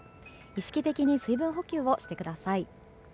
意識的に水分補給をしてください。